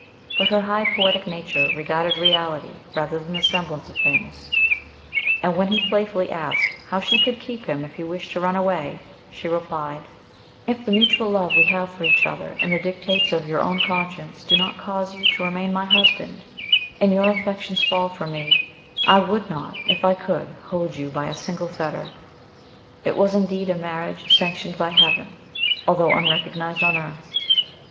But her high poetic nature regarded reality rather than the semblance of things; and when he playfully asked how she could keep him if he wished to run away, she replied, "If the mutual love we have for each other, and the dictates of your own conscience do not cause you to remain my husband, and your affections fall from me, I would not, if I could, hold you by a single fetter." It was indeed a marriage sanctioned by heaven, although unrecognised on earth.